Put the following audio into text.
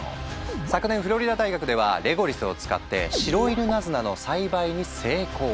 昨年フロリダ大学ではレゴリスを使ってシロイヌナズナの栽培に成功。